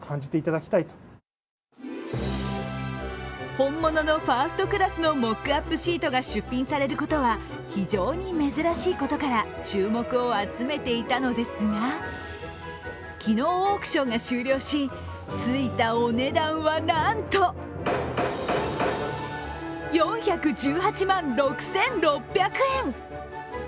本物のファーストクラスのモックアップシートが出品されることは非常に珍しいことから注目を集めていたのですが昨日、オークションが終了しついたお値段はなんと４１８万６６００円。